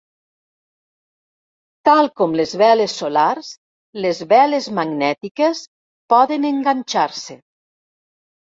Tal com les veles solars, les veles magnètiques poden "enganxar-se".